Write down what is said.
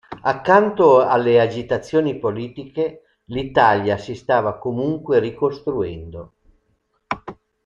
Accanto alle agitazioni politiche l'Italia si stava comunque ricostruendo.